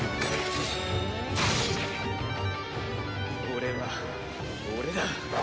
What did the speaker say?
俺は俺だ。